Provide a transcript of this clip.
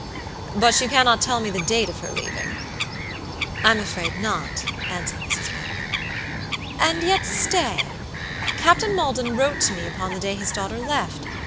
"But you cannot tell me the date of her leaving?" "I'm afraid not," answered Mrs. Barkamb; "and yet, stay. Captain Maldon wrote to me upon the day his daughter left.